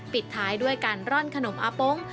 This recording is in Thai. ปิดท้ายด้วยการร่อนขนมอาปง